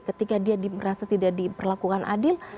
ketika dia merasa tidak diperlakukan adil